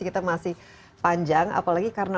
kita masih panjang apalagi karena